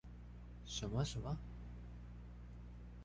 什麼什麼